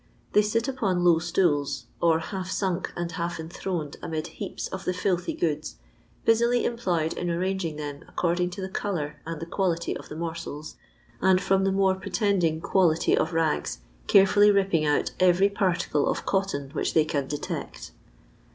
They sit upon low stools, or half sunk and half enthroned amid heaps of the filthy goods, busily employed in arranging them accord ing to the colour and the quality of the morsels, and from the more pretending quality of rags carefully ripping out every particle of cotton which they cim detect.